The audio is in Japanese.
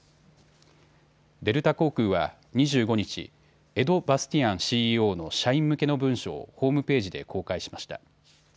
デルタ航空は２５日、エド・バスティアンＣＥＯの社員向けの文書をホームページで公開しました。